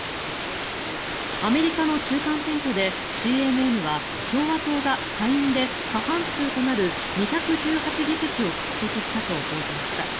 アメリカの中間選挙でＣＮＮは共和党が下院で過半数となる２１８議席を獲得したと報じました。